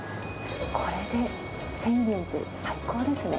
これで１０００円って最高ですね。